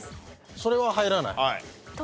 それは入らない？